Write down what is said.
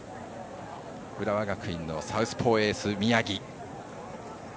浦和学院のサウスポーエースの宮城。